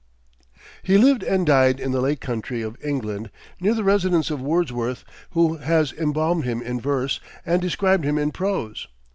He lived and died in the lake country of England, near the residence of Wordsworth, who has embalmed him in verse, and described him in prose.